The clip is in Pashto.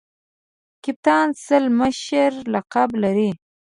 کپتان سل مشر لقب لري.